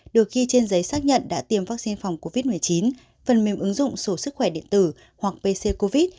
được ghi trên giấy xác nhận đã tiêm vaccine phòng covid một mươi chín phần mềm ứng dụng sổ sức khỏe điện tử hoặc pc covid